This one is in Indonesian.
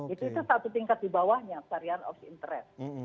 itu satu tingkat di bawahnya varian of interest